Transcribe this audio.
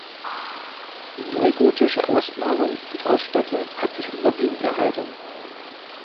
Die neugotische Ausmalung und Ausstattung hat sich überwiegend erhalten.